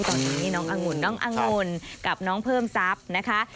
ตอนนี้น้ององุ่นน้องอังุ่นกับน้องเพิ่มทรัพย์นะคะ